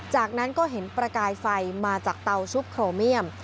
จากนั้นก็เห็นประกายไฟมาจากเตาชุบโครเมียม